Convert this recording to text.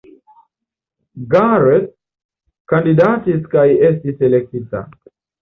Garrett kandidatis kaj estis elektita.